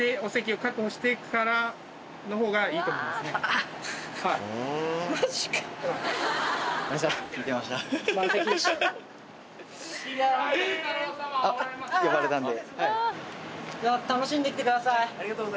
あっ呼ばれたんで。